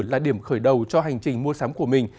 là điểm khởi đầu cho hành trình mua sắm của mình